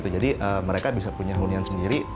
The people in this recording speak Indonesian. jadi mereka bisa punya hunian sendiri